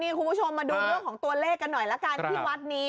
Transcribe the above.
คุณผู้ชมมาดูเรื่องของตัวเลขกันหน่อยละกันที่วัดนี้